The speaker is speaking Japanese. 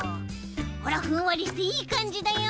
ほらふんわりしていいかんじだよ。